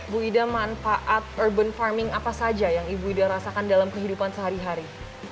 bu ida manfaat urban farming apa saja yang ibu ida rasakan dalam kehidupan sehari hari